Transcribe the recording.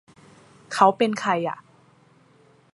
เค้าเป็นใครอ่ะ